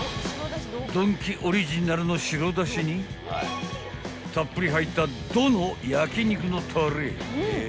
［ドンキオリジナルの白だしにたっぷり入った「ド」の焼肉のたれ］